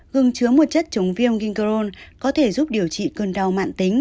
gừng chứa một chất chống viêm gingron có thể giúp điều trị cơn đau mạn tính